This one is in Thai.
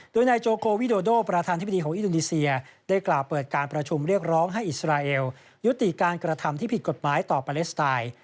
โดยนายโจโควิโดโดประธานธิบดีของอินโดนีเซียได้กล่าวเปิดการประชุมเรียกร้องให้อิสราเอลยุติการกระทำที่ผิดกฎหมายต่อปาเลสไตน์